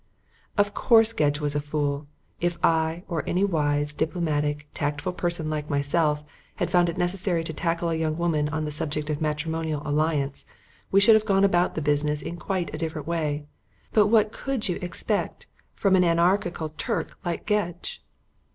Of course Gedge was a fool. If I, or any wise, diplomatic, tactful person like myself, had found it necessary to tackle a young woman on the subject of a matrimonial alliance, we should have gone about the business in quite a different way. But what could you expect from an anarchical Turk like Gedge?